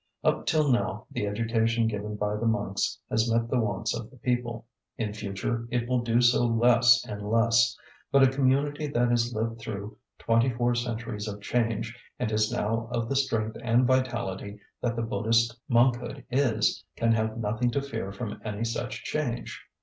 Up till now the education given by the monks has met the wants of the people; in future it will do so less and less. But a community that has lived through twenty four centuries of change, and is now of the strength and vitality that the Buddhist monkhood is, can have nothing to fear from any such change.